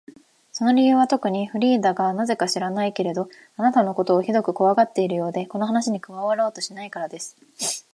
その理由はとくに、フリーダがなぜか知らないけれど、あなたのことをひどくこわがっているようで、この話に加わろうとしないからです。